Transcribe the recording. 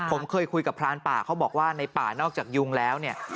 ผมเคยคุยกับพรานป่าเขาบอกว่าในป่านอกจากยุงแล้วเนี่ย